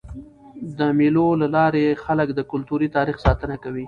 د مېلو له لاري خلک د کلتوري تاریخ ساتنه کوي.